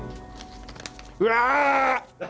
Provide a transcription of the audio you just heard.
うわ！